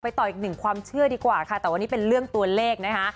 ต่ออีกหนึ่งความเชื่อดีกว่าค่ะแต่วันนี้เป็นเรื่องตัวเลขนะคะ